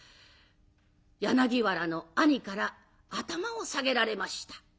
柳原の兄から頭を下げられました。